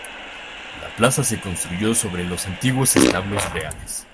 La plaza se construyó sobre los antiguos establos reales.